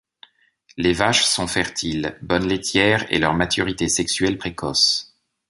Les vaches sont fertiles, bonnes laitières et leur maturité sexuelle précoce.